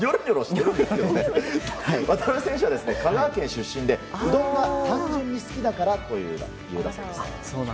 渡邊選手は香川県出身でうどんが好きだからという理由です。